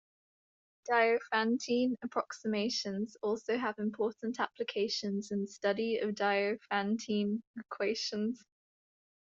Diophantine approximations also have important applications in the study of Diophantine equations.